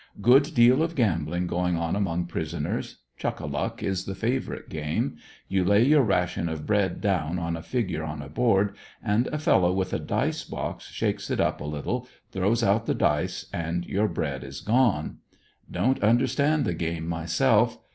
Good deal of gambling going on among prisoners. Chuck a luck is the favorite game. You lay your ration of bread ANDERSONVILLE DIABY. 27 down on a figure on a board, and a fellow with a dice box shakes it up a little, throws out the dice, and your bread is gone Don't understand the game myself.